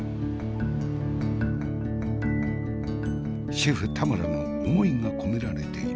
シェフ田村の思いが込められている。